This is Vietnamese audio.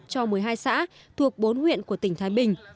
cho một mươi hai xã thuộc bốn huyện của tỉnh thái bình